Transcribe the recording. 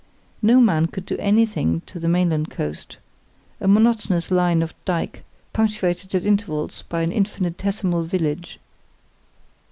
No man could do anything on the mainland coast—a monotonous line of dyke punctuated at intervals by an infinitesimal village.